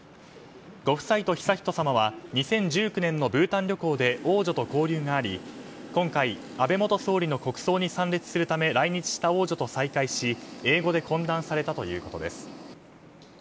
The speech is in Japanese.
ご夫妻と悠仁さまは２０１９年のブータン旅行で王女と交流があり今回、安倍元総理の国葬に参列するため来日した王女と再会し英語で懇談されたということです。